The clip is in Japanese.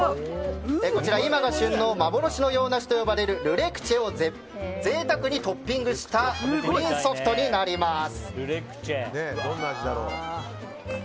こちら、今が旬の幻の洋梨と呼ばれるルレクチェを贅沢にトッピングしたプリンソフトになります。